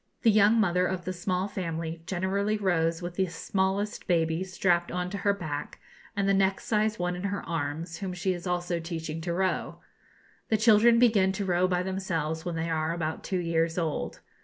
The young mother of the small family generally rows with the smallest baby strapped on to her back, and the next sized one in her arms, whom she is also teaching to row. The children begin to row by themselves when they are about two years old.